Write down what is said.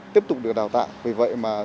tiếp tục được đào tạo vì vậy mà